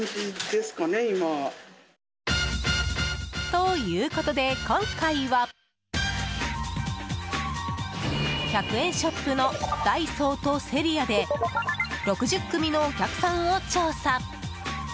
ということで今回は１００円ショップのダイソーとセリアで６０組のお客さんを調査。